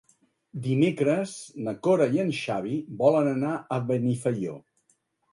Dimecres na Cora i en Xavi volen anar a Benifaió.